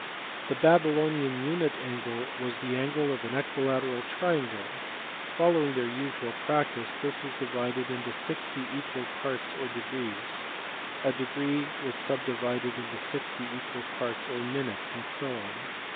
The Babylonian unit angle was the angle of an equi lateral triangle; following their usual practice (see p. 5) this was divided into sixty equal parts or degrees, a degree was sub divided into sixty equal parts or minutes, and so on.